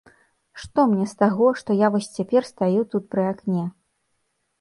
Што мне з таго, што я вось цяпер стаю тут пры акне?